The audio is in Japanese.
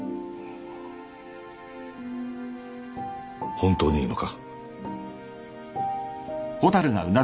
本当にいいのか？